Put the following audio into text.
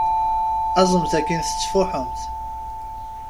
Aẓemt akin tettfuḥumt!